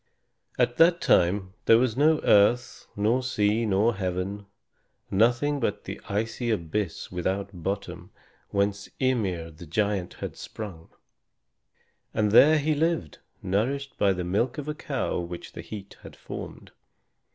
At that time there was no earth nor sea nor heaven, nothing but the icy abyss without bottom, whence Ymir the giant had sprung. And there he lived, nourished by the milk of a cow which the heat had formed.